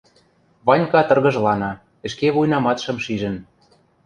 — Ванька тыргыжлана, ӹшке вуйнаматшым шижӹн.